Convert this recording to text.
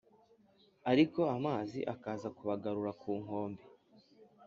ariko amazi akaza kubagarura ku nkombe